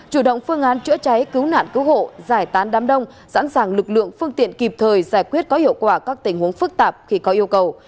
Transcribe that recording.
chủ động phương án chữa cháy cứu nạn cứu hộ giải tán đám đông sẵn sàng lực lượng phương tiện kịp thời giải quyết có hiệu quả các tình huống phức tạp khi có yêu cầu